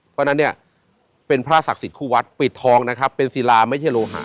ตอนนั้นเนี่ยเป็นพระศักดิ์สิทธิ์คู่วัดปริดทองนะครับเป็นสีรามโยโฮะ